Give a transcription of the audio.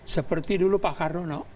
seperti dulu pak karno